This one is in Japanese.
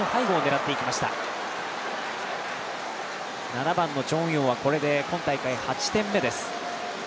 ７番のチョン・ウヨンは今大会８点目です。